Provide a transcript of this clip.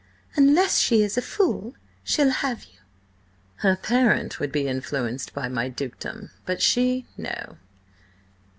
"Unless she is a fool, she'll have you." "Her parent would be influenced by my dukedom, but she, no.